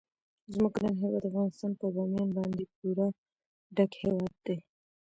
زموږ ګران هیواد افغانستان په بامیان باندې پوره ډک هیواد دی.